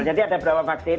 jadi ada beberapa vaksin